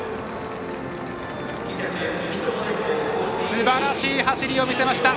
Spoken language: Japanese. すばらしい走りを見せました。